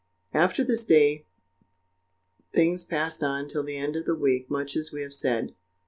After this day, things passed on till the end of the week much as we have said.